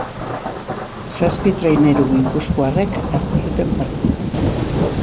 Zazpi traineru gipuzkoarrek hartu zuten parte.